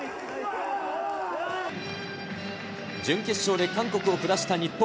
準決勝で韓国を下した日本。